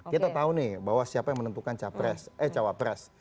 kita tahu nih bahwa siapa yang menentukan capres eh cawapres